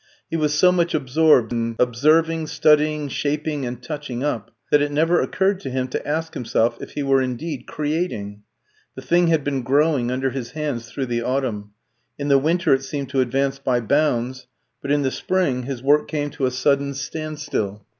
He was so much absorbed in observing, studying, shaping, and touching up, that it never occurred to him to ask himself if he were indeed creating. The thing had been growing under his hands through the autumn; in the winter it seemed to advance by bounds; but in the spring his work came to a sudden standstill.